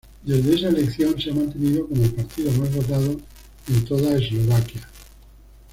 Desde esa elección se ha mantenido como el partido más votado de toda Eslovaquia.